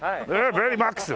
ベリーマックス！